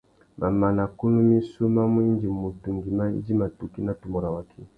Mamana kunú missú má mú indi mutu ngüimá idjima tukí nà tumu rabú.